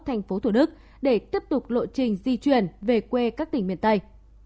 thành phố thủ đức để tiếp tục lộ trình di chuyển về quê các tỉnh miền tây